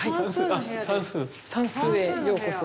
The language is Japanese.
算数へようこそ。